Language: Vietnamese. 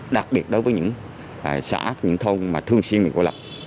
đặc biệt đối với những xã những thôn mà thường xuyên bị cố lập